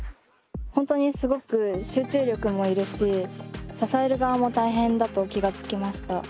本当にすごく集中力もいるし支える側も大変だと気が付きました。